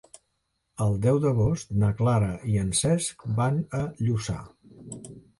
El deu d'agost na Clara i en Cesc van a Lluçà.